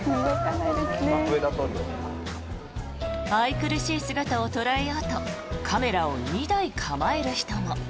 愛くるしい姿を捉えようとカメラを２台構える人も。